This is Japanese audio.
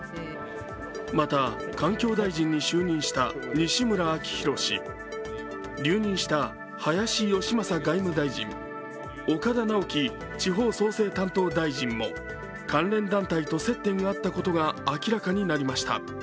また環境大臣に就任した西村明宏氏、留任した林芳正外務大臣岡田直樹地方創生担当大臣も関連団体と接点があったことが明らかになりました。